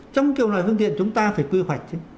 trong kiểu loại phương tiện chúng ta phải quy hoạch chứ